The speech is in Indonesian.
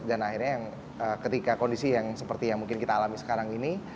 dan akhirnya ketika kondisi yang seperti yang mungkin kita alami sekarang ini